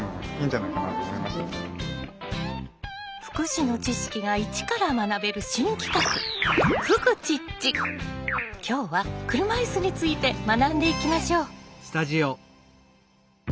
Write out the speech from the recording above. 福祉の知識が一から学べる新企画今日は車いすについて学んでいきましょう！